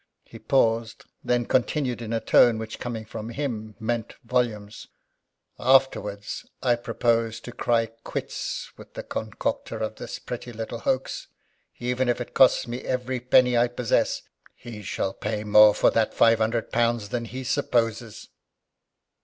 He paused, then continued in a tone which, coming from him, meant volumes: "Afterwards, I propose to cry quits with the concoctor of this pretty little hoax, even if it costs me every penny I possess. He shall pay more for that five hundred pounds than he supposes."